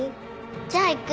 じゃあ行く。